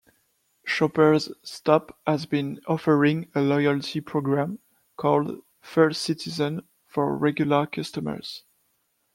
Shopper's Stop has been offering a loyalty programme called First Citizen for regular customers.